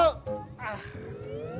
aku mau ke kantor